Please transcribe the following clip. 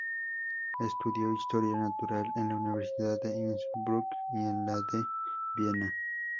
Estudió Historia Natural en la Universidad de Innsbruck y en la de Viena.